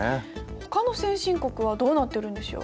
ほかの先進国はどうなってるんでしょう。